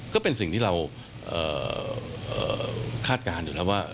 ก็เป็นสิ่งที่เราคาดการณ์อยู่แล้วว่า